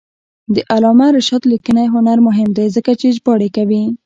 د علامه رشاد لیکنی هنر مهم دی ځکه چې ژباړې کوي.